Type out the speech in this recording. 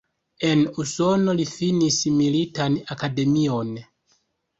En Usono li finis Militan Akademion.